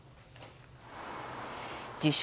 自称